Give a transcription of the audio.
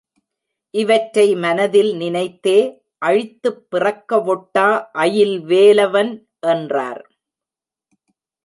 இவற்றை மனத்தில் நினைத்தே, அழித்துப் பிறக்க வொட்டா அயில்வேலவன் என்றார்.